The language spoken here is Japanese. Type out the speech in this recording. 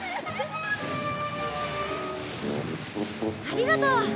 ありがとう。